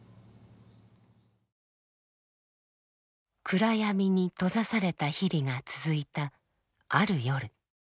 暗闇に閉ざされた日々が続いたある夜。